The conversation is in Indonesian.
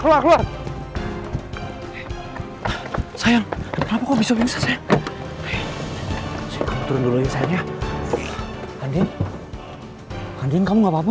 kamu keluar keluar sayang aku bisa bisa saya turun dulu sayangnya andien andien kamu apa apa